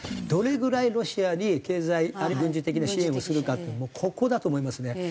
どれぐらいロシアに経済あるいは軍事的な支援をするかもうここだと思いますね。